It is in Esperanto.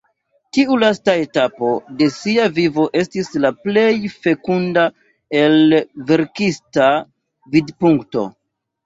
Tiu lasta etapo de ŝia vivo estis la plej fekunda el verkista vidpunkto.